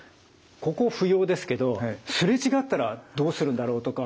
ここ不要ですけどすれ違ったらどうするんだろうとか。